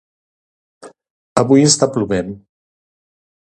avui està plovent